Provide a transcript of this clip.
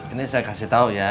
ini saya kasih tahu ya